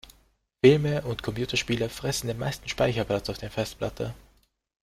Filme und Computerspiele fressen den meisten Speicherplatz auf der Festplatte.